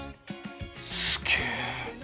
すげえ！